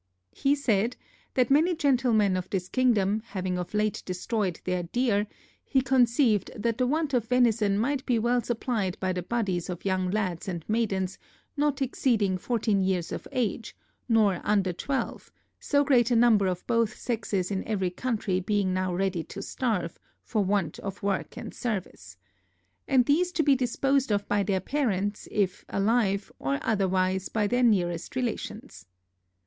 He said, that many gentlemen of this kingdom, having of late destroyed their deer, he conceived that the want of venison might be well supplied by the bodies of young lads and maidens, not exceeding fourteen years of age, nor under twelve; so great a number of both sexes in every county being now ready to starve for want of work and service: and these to be disposed of by their parents if alive, or otherwise by their nearest relations.